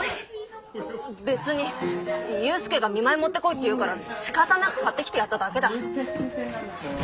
別に勇介が見舞い持ってこいって言うからしかたなく買ってきてやっただけだ。